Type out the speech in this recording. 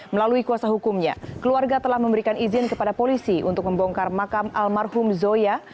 melalui kuasa hukumnya keluarga telah memberikan izin kepada polisi untuk membongkar makam almarhum zoya